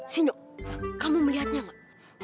sinyok kamu melihatnya gak